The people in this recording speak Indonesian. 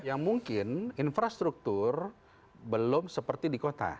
yang mungkin infrastruktur belum seperti di kota